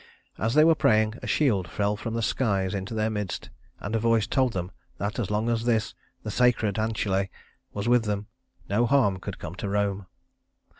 As they were praying, a shield fell from the skies into their midst, and a voice told them that as long as this the sacred Ancile was with them, no harm could come to Rome.